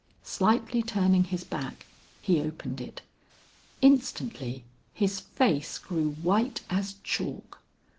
Slightly turning his back, he opened it. Instantly his face grew white as chalk.